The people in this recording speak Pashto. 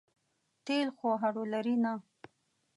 تېل خو هډو لري نه.